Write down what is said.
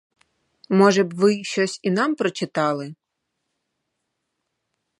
Може б, ви щось і нам прочитали?